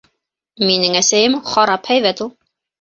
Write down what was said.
— Минең әсәйем харап һәйбәт ул.